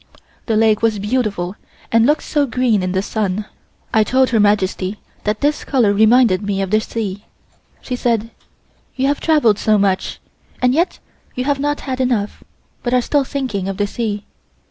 The lake was beautiful and looked so green in the sun. I told Her Majesty that this color reminded me of the sea. She said: "You have travelled so much, and yet you have not had enough, but are still thinking of the sea.